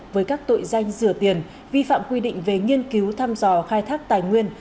với các tội danh rửa tiền vi phạm quy định về nghiên cứu thăm dò khai thác tài nguyên